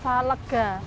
saya merasa lega